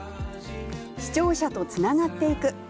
視聴者とつながっていく。